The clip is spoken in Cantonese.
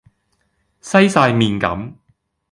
西哂面咁